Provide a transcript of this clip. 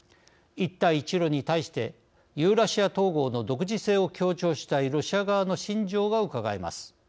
一帯一路に対してユーラシア統合の独自性を強調したいロシア側の心情がうかがえます。